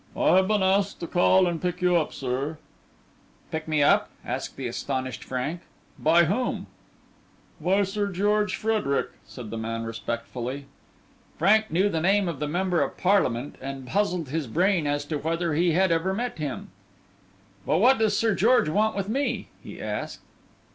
"I have been asked to call and pick you up, sir." "Pick me up?" asked the astonished Frank "by whom?" "By Sir George Frederick," said the man, respectfully. Frank knew the name of the member of Parliament and puzzled his brain as to whether he had ever met him. "But what does Sir George want with me?" he asked.